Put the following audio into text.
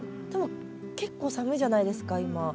でも結構寒いじゃないですか今。